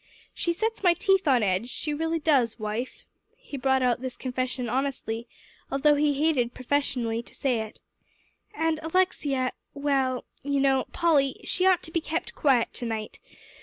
She sets my teeth on edge; she does really, wife." He brought out this confession honestly, although he hated professionally to say it. "And Alexia well, you know, Polly, she ought to be kept quiet to night.